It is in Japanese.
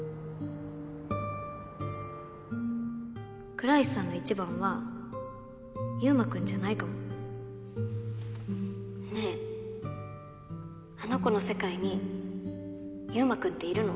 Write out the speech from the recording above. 倉石さんの一番は悠真君じゃないかもねぇあの子の世界に悠真君っているの？